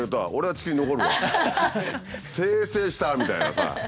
清々したみたいなさ。